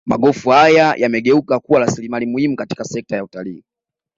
magofu haya yamegeuka kuwa rasilimali muhimu katika sekta ya utalii